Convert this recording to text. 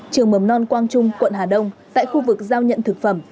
trường mầm non quang trung quận hà đông tại khu vực giao nhận thực phẩm